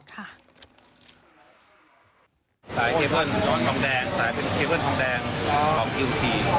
สายเคเบิ้ลทองแดงสายเป็นเคเบิ้ลทองแดงของเอวที